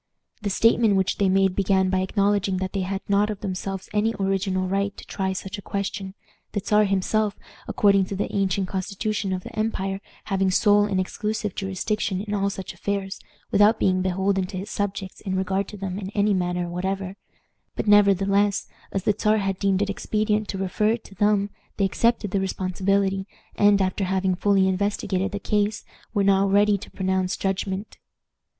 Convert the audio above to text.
The statement which they made began by acknowledging that they had not of themselves any original right to try such a question, the Czar himself, according to the ancient constitution of the empire, having sole and exclusive jurisdiction in all such affairs, without being beholden to his subjects in regard to them in any manner whatever; but, nevertheless, as the Czar had deemed it expedient to refer it to them, they accepted the responsibility, and, after having fully investigated the case, were now ready to pronounce judgment.